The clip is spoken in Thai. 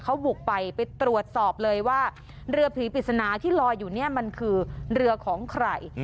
เขาบุกไปไปตรวจสอบเลยว่าเรือผีปริศนาที่ลอยอยู่เนี่ยมันคือเรือของใคร